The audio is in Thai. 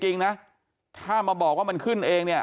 สวัสดีคุณผู้ชายสวัสดีคุณผู้ชาย